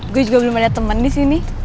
gue juga belum ada teman di sini